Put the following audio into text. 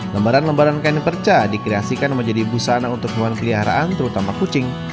lembaran lembaran kain perca dikreasikan menjadi busana untuk hewan peliharaan terutama kucing